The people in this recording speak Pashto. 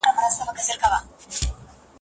پښتو به په راتلونکي کې په ښه ډول وکارول شي.